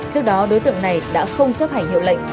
trước đó đối tượng này đã không chấp hành hiệu lệnh